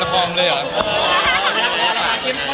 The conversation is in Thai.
คุณค่ะ